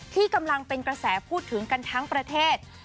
ที่กำลังเป็นกระแสพูดถึงกันทั้งประเทศ